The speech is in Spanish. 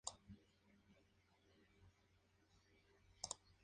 Cardenal Infante D. Fernando de Austria".